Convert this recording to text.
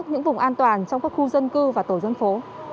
những vùng an toàn trong các khu dân cư và tổ dân phố